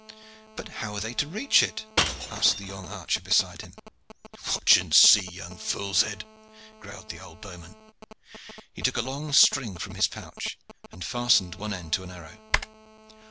"But how are they to reach it?" asked the young archer beside him. "Watch and see, young fool's head," growled the old bowman. He took a long string from his pouch and fastened one end to an arrow.